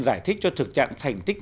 giải thích cho thực trạng thành tích